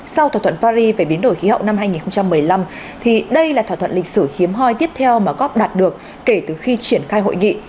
sau thỏa thuận paris về biến đổi khí hậu năm hai nghìn một mươi năm thì đây là thỏa thuận lịch sử hiếm hoi tiếp theo mà cop đạt được kể từ khi triển khai hội nghị